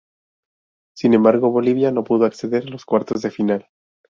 Sin embargo, Bolivia no pudo acceder a los cuartos de final.